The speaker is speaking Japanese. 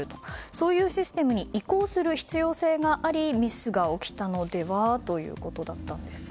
そういうシステムに移行する必要性がありミスが起きたのではということだったんです。